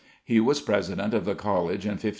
He was president of the College in 1555.